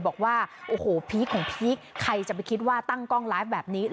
บอกว่าโอ้โหพีคของพีคใครจะไปคิดว่าตั้งกล้องไลฟ์แบบนี้